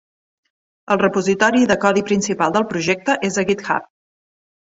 El repositori de codi principal del projecte és a GitHub.